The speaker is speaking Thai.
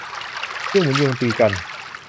ยุ่งเหมือนยุงตีกัน